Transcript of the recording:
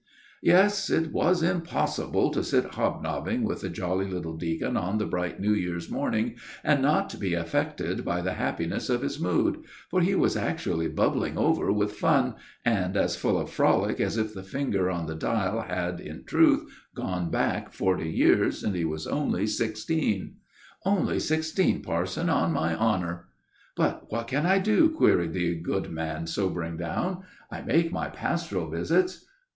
Yes, it was impossible to sit hobnobbing with the little, jolly deacon on that bright New Year's morning and not be affected by the happiness of his mood, for he was actually bubbling over with fun, and as full of frolic as if the finger on the dial had, in truth, gone back forty odd years, and he was "only sixteen. Only sixteen, parson, on my honor." "But what can I do?" queried the good man, sobering down. "I make my pastoral visits."